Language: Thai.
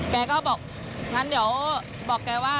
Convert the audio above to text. แกก็บอกงั้นเดี๋ยวบอกแกว่า